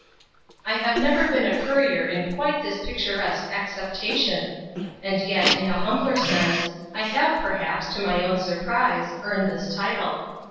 I have never been a courier in quite this picturesque acceptation; and yet, in a humbler sense, I have perhaps (to my own surprise) earned the title.